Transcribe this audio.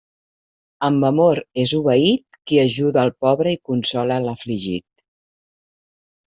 Amb amor és obeït qui ajuda al pobre i consola a l'afligit.